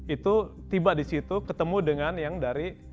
itu tiba di situ ketemu dengan yang dari